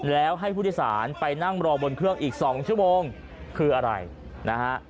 แล้วให้ผู้โดยสารไปนั่งรอบนเครื่องอีก๒ชั่วโมงคืออะไรนะฮะ